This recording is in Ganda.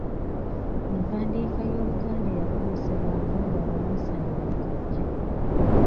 Empandiika y'Oluganda eyakozesebwanga nga Abaminsani baakajja.